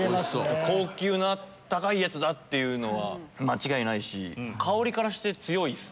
高級な高いやつだっていうのは間違いないし香りからして強いっす。